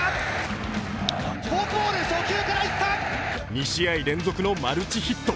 ２試合連続のマルチヒット。